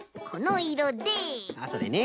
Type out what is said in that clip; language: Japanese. あっそれね。